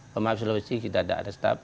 pemaham di sulawesi kita ada staff